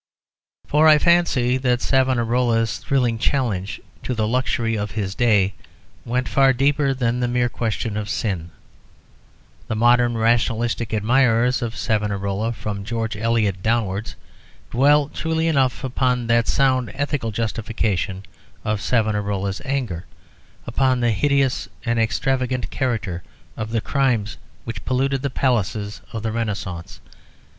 For I fancy that Savonarola's thrilling challenge to the luxury of his day went far deeper than the mere question of sin. The modern rationalistic admirers of Savonarola, from George Eliot downwards, dwell, truly enough, upon the sound ethical justification of Savonarola's anger, upon the hideous and extravagant character of the crimes which polluted the palaces of the Renaissance.